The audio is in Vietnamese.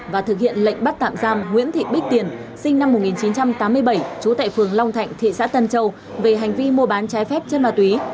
và thực hiện lệnh bắt tạm giam nguyễn thị bích tiền sinh năm một nghìn chín trăm tám mươi bảy trú tại phường long thạnh tp hcm về hành vi mua bán trái phép chất ma túy